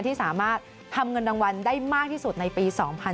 ที่สามารถทำเงินรางวัลได้มากที่สุดในปี๒๕๕๙